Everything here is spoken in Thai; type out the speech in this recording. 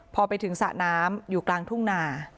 พอไปถึงสระน้ำอยู่กลางทุ่งนา